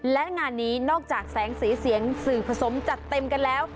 และงานนี้นอกจากแสงสีเสียงสื่อผสมจัดเต็มกันแล้ว